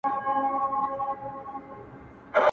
ستا شاعرۍ ته سلامي كومه.